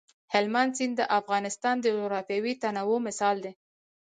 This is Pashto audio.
هلمند سیند د افغانستان د جغرافیوي تنوع مثال دی.